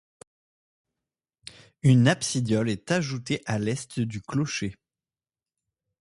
Une absidiole est ajoutée à l'est du clocher.